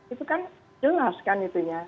itu kan jelas kan itunya